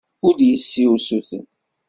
Ur d-yessi usuten.